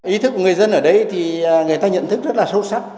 ý thức của người dân ở đây thì người ta nhận thức rất là sâu sắc